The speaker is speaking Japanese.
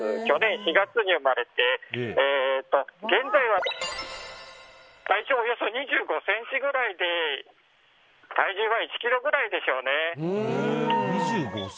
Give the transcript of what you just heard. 去年４月に生まれて現在は体長がおよそ２５ｃｍぐらいで体重は１ｋｇぐらいでしょうね。